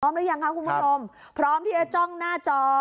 หรือยังคะคุณผู้ชมพร้อมที่จะจ้องหน้าจอ